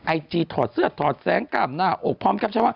ไอจีถอดเสื้อถอดแสงกล่ามหน้าโอ้พร้อมครับ